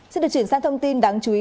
xin được chuyển sang thông tin đáng chú ý